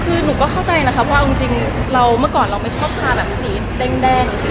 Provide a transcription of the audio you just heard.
คือหนูก็เข้าใจนะครับคือว่าจริงวันเมื่อค่อเราไม่ชอบถาสีแดงแดงหรือสีส้ม